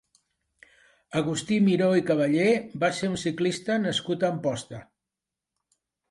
Agustí Miró i Caballé va ser un ciclista nascut a Amposta.